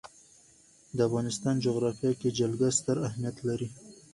د افغانستان جغرافیه کې جلګه ستر اهمیت لري.